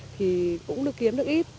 thì cũng được kiếm được ít